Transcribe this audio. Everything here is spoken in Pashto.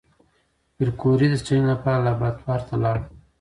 پېیر کوري د څېړنې لپاره لابراتوار ته لاړ.